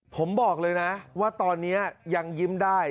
ผมบอกเลยนะว่าตอนนี้ยังยิ้มได้